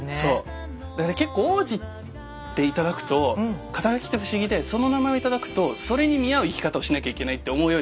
だから結構王子って頂くと肩書って不思議でその名前を頂くとそれに見合う生き方をしなきゃいけないって思うようになる。